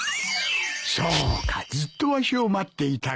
そうかずっとわしを待っていたか。